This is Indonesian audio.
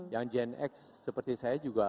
yang jn x seperti saya juga